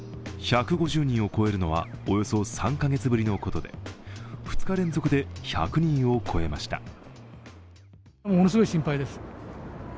１５０人を超えるのは、およそ３カ月ぶりのことで、２日連続で１００人を超えました。